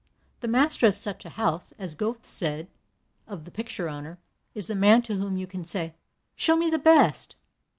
The master of such a house, as Goethe said of the picture owner, is the man to whom you can say, 'Show me the best.'